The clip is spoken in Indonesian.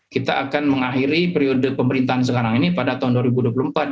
kita akan mengakhiri periode pemerintahan sekarang ini pada tahun dua ribu dua puluh empat